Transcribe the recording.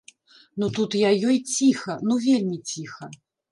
Ну тут я ёй ціха, ну вельмі ціха.